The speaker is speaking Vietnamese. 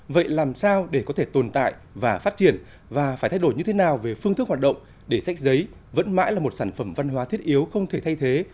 vậy làm sao để có thể tồn tại và phát triển và phải thay đổi như thế nào về phương thức hoạt động để sách giấy vẫn mãi là một sản phẩm văn hóa thiết yếu không thể thay thế